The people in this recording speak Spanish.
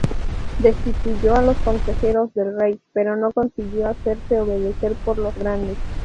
Destituyó a los consejeros del rey, pero no consiguió hacerse obedecer por los Grandes.